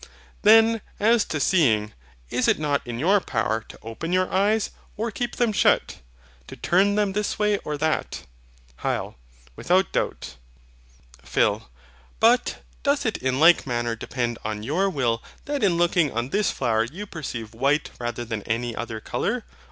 Then, as to seeing, is it not in your power to open your eyes, or keep them shut; to turn them this or that way? HYL. Without doubt. PHIL. But, doth it in like manner depend on YOUR will that in looking on this flower you perceive WHITE rather than any other colour?